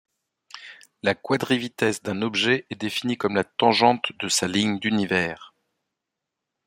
La quadrivitesse d'un objet est définie comme la tangente de sa ligne d'univers.